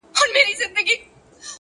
د زړورتیا اصل د وېرې درک دی،